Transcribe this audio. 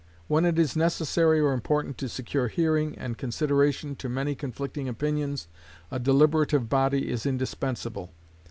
When it is necessary or important to secure hearing and consideration to many conflicting opinions, a deliberative body is indispensable.